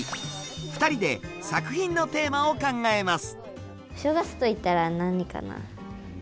２人で作品のテーマを考えます。